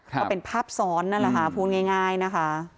ก็เป็นภาพซ้อนนั่นแหละค่ะพูดง่ายนะคะ